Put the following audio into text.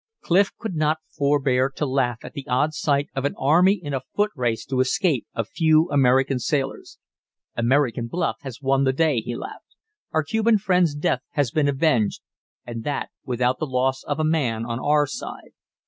Clif could not forbear to laugh at the odd sight of an army in a foot race to escape a few American sailors. "American bluff has won the day," he laughed. "Our Cuban friend's death has been avenged, and that without the loss of a man on our side."